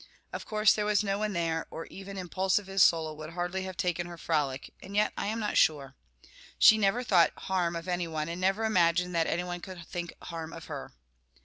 Of course there was no one there, or even impulsive Isola would hardly have taken her frolic; and yet I am not sure. She never thought harm of any one, and never imagined that any one could think harm of her.